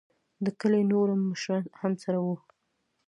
دکلي نوور مشران هم ورسره وو.